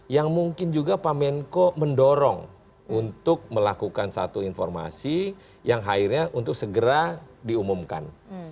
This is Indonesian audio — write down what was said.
yang mungkin juga pak menko mendorong untuk melakukan satu informasi yang akhirnya untuk segera diumumkan